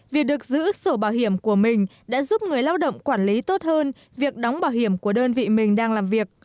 việc được giữ sổ bảo hiểm của mình đã giúp người lao động quản lý tốt hơn việc đóng bảo hiểm của đơn vị mình đang làm việc